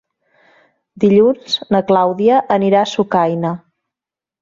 Dilluns na Clàudia anirà a Sucaina.